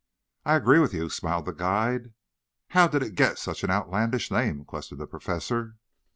"I agree with you," smiled the guide. "How did it get such an outlandish name?" questioned the Professor.